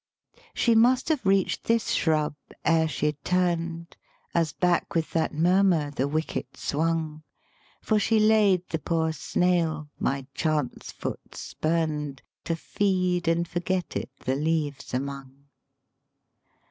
She must have reached this shrub ere she turned, As back with that murmur the wicket swung; For she laid the poor snail, my chance foot spurned, To feed and forget it the leaves among.